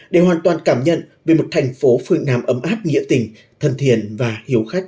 để hoàn toàn cảm nhận về một thành phố phương nam ấm áp nghĩa tình thân thiện và hiếu khách